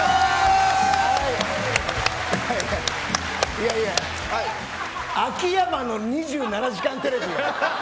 いやいや秋山の２７時間テレビよ。